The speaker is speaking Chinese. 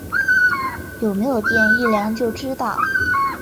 有没有电一量就知道